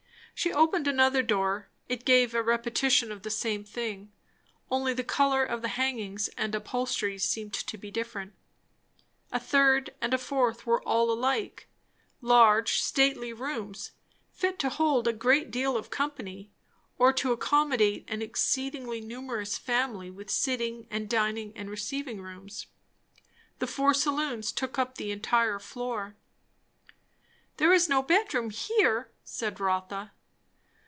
She opened another door; it gave a repetition of the same thing, only the colour of the hangings and upholsteries seemed to be different. A third, and a fourth; they were all alike; large, stately rooms, fit to hold a great deal of company, or to accommodate an exceedingly numerous family with sitting and dining and receiving rooms. The four saloons took up the entire floor. "There is no bedroom here," said Rotha.